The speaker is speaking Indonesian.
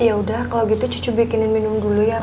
ya udah kalau gitu cucu bikinin minum dulu ya